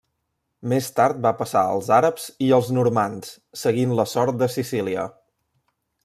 Més tard va passar als àrabs i als normands seguint la sort de Sicília.